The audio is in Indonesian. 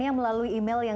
di program gapai kemuliaan